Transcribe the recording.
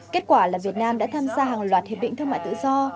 kết quả là việt nam đã tham gia hàng loạt hiệp định thương mại tự do